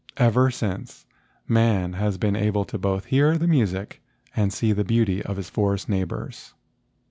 Ever since, man has been able to both hear the music and see the beauty of his forest neighbors.